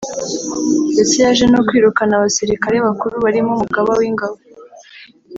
ndetse yaje no kwirukana abasirikare bakuru barimo Umugaba w’Ingabo